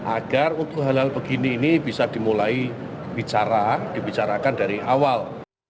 agar untuk hal hal begini ini bisa dimulai bicara dibicarakan dari awal